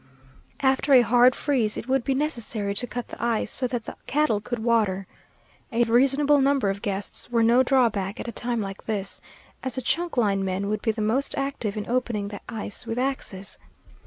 After a hard freeze it would be necessary to cut the ice, so that the cattle could water. A reasonable number of guests were no drawback at a time like this, as the chuck line men would be the most active in opening the ice with axes.